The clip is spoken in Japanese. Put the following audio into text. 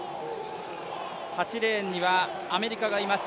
８レーンにはアメリカがいます。